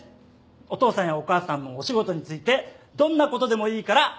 お父さんやお母さんのお仕事についてどんなことでもいいから調べてきてください。